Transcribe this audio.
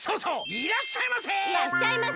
いらっしゃいませ。